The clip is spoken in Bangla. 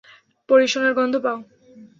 পরীসোনার গন্ধ পাও।